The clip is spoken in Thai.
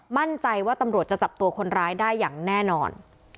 มั่นใจว่าตำรวจจะจับตัวคนร้ายได้อย่างแน่นอน